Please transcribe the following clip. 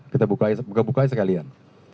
kita buka bukanya sekalian